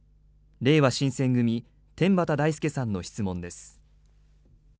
れいわ新選組、天畠大輔さんの質問です。